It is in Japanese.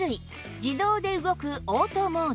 自動で動くオートモード